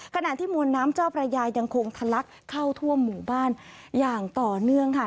ขณะที่มวลน้ำเจ้าพระยายังคงทะลักเข้าทั่วหมู่บ้านอย่างต่อเนื่องค่ะ